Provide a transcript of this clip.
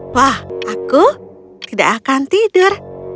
wah aku tidak akan tidur